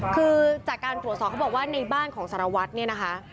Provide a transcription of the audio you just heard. คือจากการตรวจสอบเขาบอกว่าในบ้านของสารวัตรเนี่ยนะคะ